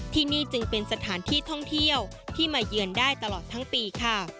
ที่นี่จึงเป็นสถานที่ท่องเที่ยวที่มาเยือนได้ตลอดทั้งปีค่ะ